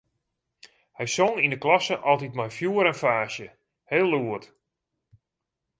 Hy song yn 'e klasse altyd mei fjoer en faasje, heel lûd.